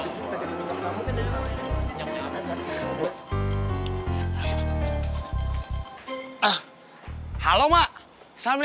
alok ekkkenuran nosotros ini sudah mampat